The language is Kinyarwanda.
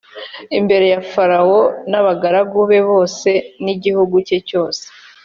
imbere ya farawo n’abagaragu be bose, n’igihugu cye cyose,